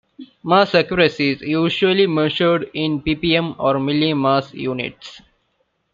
Mass accuracy is usually measured in ppm or milli mass units.